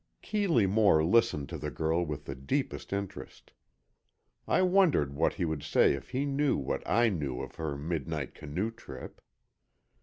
Keeley Moore listened to the girl with the deepest interest. I wondered what he would say if he knew what I knew of her midnight canoe trip!